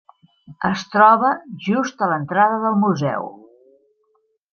Es troba just a l'entrada del museu.